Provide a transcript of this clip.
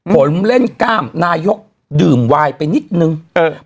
ผมเล่นกล้ามนายกดื่มวายไปนิดนึงเออ